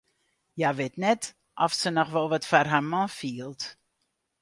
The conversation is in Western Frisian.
Hja wit net oft se noch wol wat foar har man fielt.